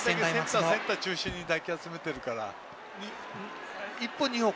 センター、センター中心で打球を集めているから。